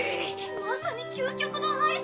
まさに究極のアイスだね！